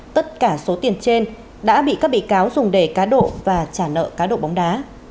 tất cả số tiền trên đã bị các bị cáo dùng để cá độ và trả nợ cá độ bóng đá